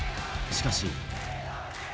しかし。